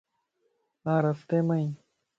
آن رستي مائين